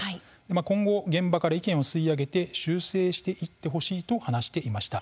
今後、現場から意見を吸い上げて修正していってほしいと話していました。